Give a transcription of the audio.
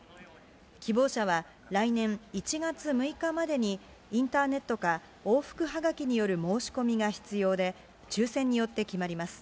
希望者は、来年１月６日までにインターネットか、往復はがきによる申し込みが必要で、抽せんによって決まります。